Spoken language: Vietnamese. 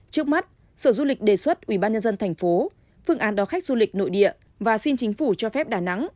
trước mắt sở du lịch đề xuất ubnd tp phương án đón khách du lịch nội địa và xin chính phủ cho phép đà nẵng